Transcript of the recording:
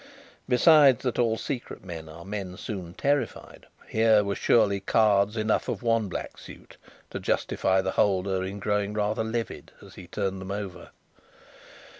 Besides that all secret men are men soon terrified, here were surely cards enough of one black suit, to justify the holder in growing rather livid as he turned them over.